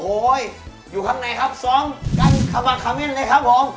โอ้โหยอยู่ข้างในครับซ้องกันคำว่าคำเยี่ยมเลยครับผม